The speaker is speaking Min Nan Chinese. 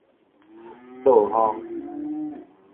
卓楓